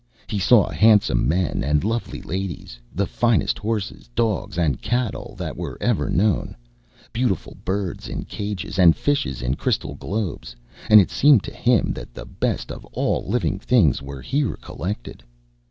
He saw handsome men and lovely ladies; the finest horses, dogs, and cattle that were ever known; beautiful birds in cages, and fishes in crystal globes, and it seemed to him that the best of all living things were here collected.